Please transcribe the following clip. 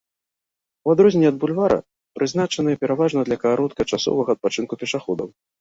У адрозненне ад бульвара прызначаны пераважна для кароткачасовага адпачынку пешаходаў.